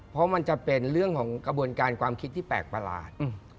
เพราะมันจะเป็นเรื่องของกระบวนการความคิดที่แปลกประหลาด